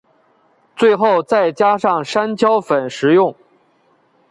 最后再加上山椒粉食用。